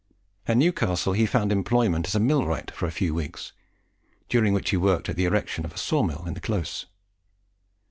At Newcastle he found employment as a millwright for a few weeks, during which he worked at the erection of a sawmill in the Close.